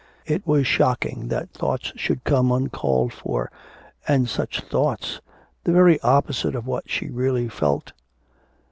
It was shocking that thoughts should come uncalled for, and such thoughts! the very opposite of what she really felt.